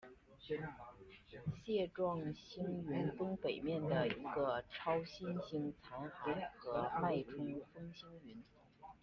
蟹状星云东北面的一个超新星残骸和脉冲风星云。